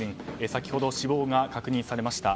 先ほど、死亡が確認されました。